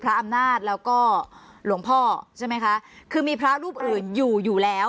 อำนาจแล้วก็หลวงพ่อใช่ไหมคะคือมีพระรูปอื่นอยู่อยู่แล้ว